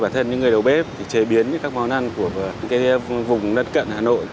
bản thân những người đầu bếp chế biến các món ăn của vùng đất cận hà nội